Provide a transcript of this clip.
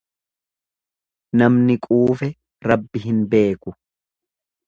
Namni quufe Rabbi hin beeku.